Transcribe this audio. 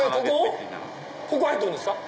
ここを入っていくんですか？